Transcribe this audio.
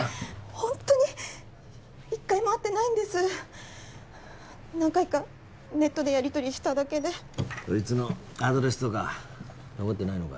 ホンットに１回も会ってないんです何回かネットでやりとりしただけでそいつのアドレスとか残ってないのか？